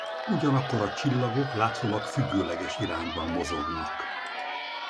Ugyanakkor a csillagok látszólag függőleges irányban mozognak.